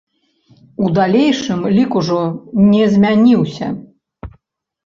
У далейшым лік ужо не змяніўся.